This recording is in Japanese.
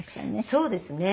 そうですね。